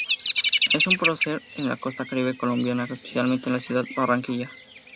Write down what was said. Es un prócer en la costa caribe colombiana, especialmente en la ciudad de Barranquilla.